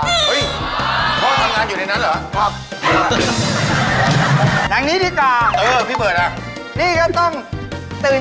เฮ้ยพ่อทำงานอยู่ในนั้นเหรอ